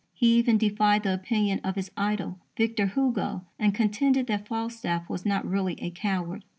He even defied the opinion of his idol, Victor Hugo, and contended that Falstaff was not really a coward.